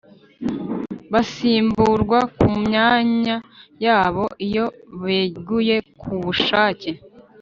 Basimbuirwa ku myanya yabo iyo beguye ku bushake